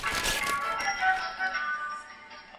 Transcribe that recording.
دا کيسه به د هوښيارانو لپاره تل په زړه پورې وي.